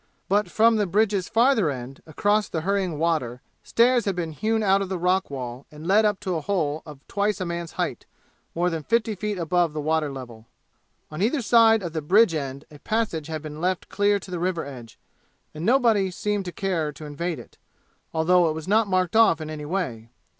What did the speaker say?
But from the bridge's farther end across the hurrying water stairs had been hewn out of the rock wall and led up to a hole of twice a man's height, more than fifty feet above water level. On either side of the bridge end a passage had been left clear to the river edge, and nobody seemed to care to invade it, although it was not marked off in any way.